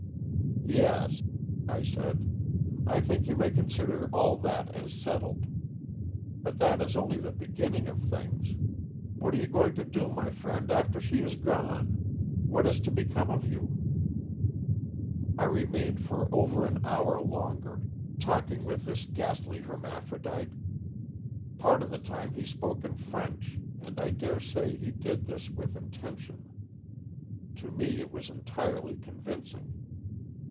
"Yes," I said. "I think you may con sider all that as settled. But that is only the beginning of things. What are you going to do, my friend, after she has gone? What is to become of you ?" I remained for over an hour longer, talk ing with this ghastly hermaphrodite. Part of the time he spoke in French, and I dare say he did this with intention. To me it was entirely convincing.